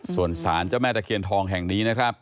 ส่วนสารเจ้าแม่ตะเคียนทองแห่งนี้นะครับ